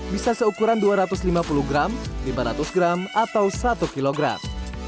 bisa seukuran dua ratus lima puluh gram lima ratus gram atau satu kilogram